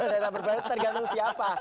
data berbayar tergantung siapa